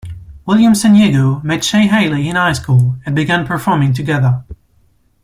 Williams and Hugo met Shae Haley in high school and began performing together.